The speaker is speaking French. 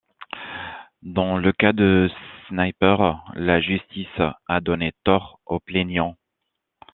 Dans le cas de Sniper, la justice a donné tort aux plaignants.